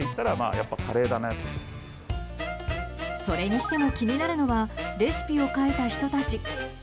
それにしても、気になるのはレシピを書いた人たち。